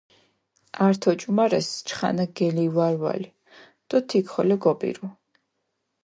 ართ ოჭუმარეს, ჩხანაქ გელივარვალჷ დო თიქ ხოლო გოპირუ.